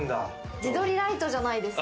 自撮りライトじゃないですか！